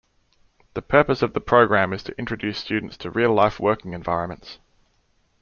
The purpose of the program is to introduce students to real-life working environments.